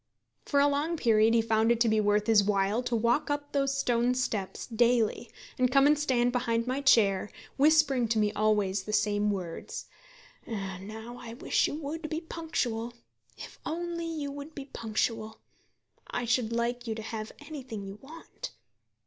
For a long period he found it to be worth his while to walk up those stone steps daily, and come and stand behind my chair, whispering to me always the same words: "Now I wish you would be punctual. If you only would be punctual, I should like you to have anything you want."